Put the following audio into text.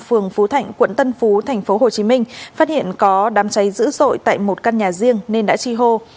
phường phú thạnh quận tân phú tp hcm phát hiện có đám cháy dữ dội tại một căn nhà riêng nên đã chi hô